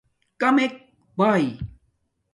کمک باݵ